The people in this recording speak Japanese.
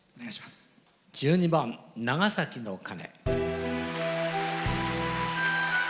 １２番「長崎の鐘」。